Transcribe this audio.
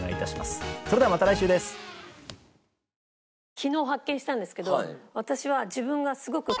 昨日発見したんですけど私は。